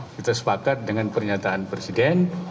kita sepakat dengan pernyataan presiden